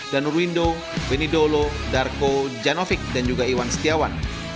danur windo beni dolo darko janovic dan juga iwan setiawan